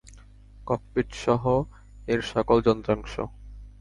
ককপিট-সহ এর সকল যন্ত্রাংশ।